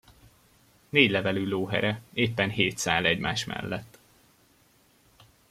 Négylevelű lóhere, éppen hét szál egymás mellett.